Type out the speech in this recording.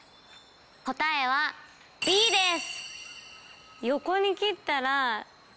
答えはＢです。